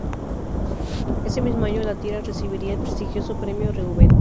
Ese mismo año la tira recibiría el prestigioso premio Reuben.